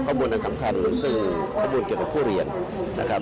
บวนอันสำคัญซึ่งข้อมูลเกี่ยวกับผู้เรียนนะครับ